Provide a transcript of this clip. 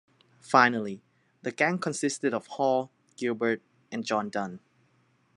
Finally the gang consisted of Hall, Gilbert and John Dunn.